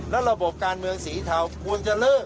แล้วระบบการเมืองสีเทาควรจะเลิก